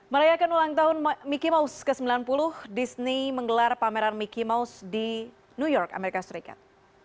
merayakan ulang tahun mickey mouse ke sembilan puluh disney menggelar pameran mickey mouse di new york amerika serikat